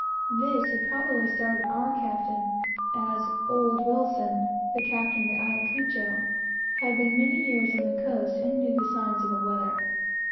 This had probably started our captain; as "old Wilson" (the captain of the Ayacucho) had been many years on the coast, and knew the signs of the weather.